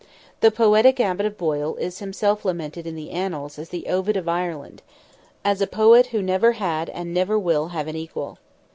The poetic Abbot of Boyle is himself lamented in the Annals as the Ovid of Ireland, as "a poet who never had and never will have an equal."